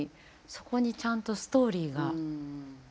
そこにちゃんとストーリーが見える。